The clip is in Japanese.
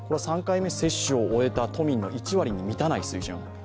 ３回目接種を終えた都民の１割に満たない水準。